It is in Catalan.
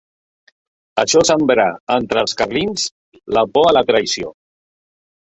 Això sembrà entre els carlins la por a la traïció.